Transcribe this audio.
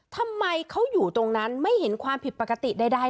ทำไมเขาอยู่ตรงนั้นไม่เห็นความผิดปกติใด